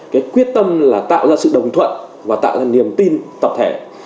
cái quyết tâm là tạo ra sự đồng thuận và tạo ra niềm tin tập thể